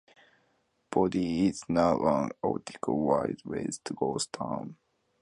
Bodie is now an authentic Wild West ghost town.